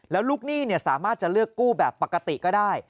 แล้วลูกหนี้สามารถจะเลือกกู้แบบปกติก็ได้